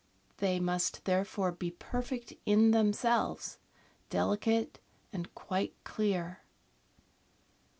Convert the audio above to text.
They must therefore be perfect in themselves, delicate, and quite clear.